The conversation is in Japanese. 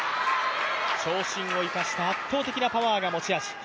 長身を生かした圧倒的なパワーが持ち味。